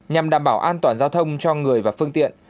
nhằm đảm bảo an toàn giao thông cho người và phương tiện